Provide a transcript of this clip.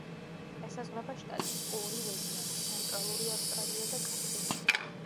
ესაზღვრება შტატის ორი რეგიონი: ცენტრალური ავსტრალია და კათრინი.